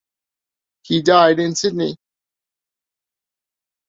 He died in Sydney.